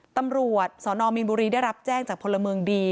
ตำรวจสนมีนบุรีได้รับแจ้งจากพลเมืองดี